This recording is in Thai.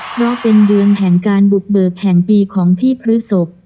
เพราะเป็นเดือนแห่งการบุกเบิกแห่งปีของพี่พฤศพ